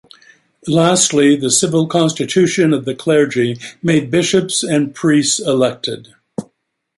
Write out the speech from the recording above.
Lastly, the Civil Constitution of the Clergy made Bishops and Priest elected.